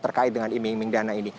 terkait dengan iming iming dana ini